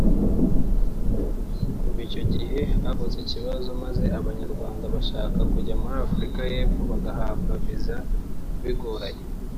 Kuva icyo gihe havutse ikibazo maze Abanyarwanda bashaka kujya muri Afurika y’Epfo bagahabwa viza bigoranye